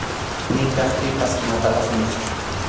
Nitaq pipas imatapas niqchu.